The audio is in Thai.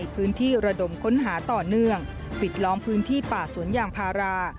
ปิดล้อมพื้นที่ป่าสวนอย่างพารา